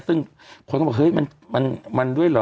ซึ่งคนบอกว่ามันด้วยเหรอ